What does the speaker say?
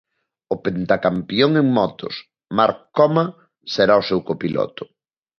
O pentacampión en motos, Marc Coma, será o seu copiloto.